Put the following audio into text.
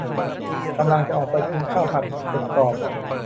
กำลังจะออกไปกินข้าวผัดเป็ดกรอบ